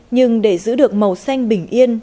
nhưng để giữ được màu xanh bình yên